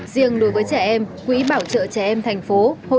riêng đối với trẻ em quỹ bảo trợ trẻ em thành phố